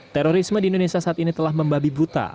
terorisme di indonesia saat ini telah membabi buta